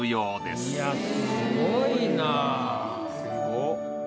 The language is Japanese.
すごっ。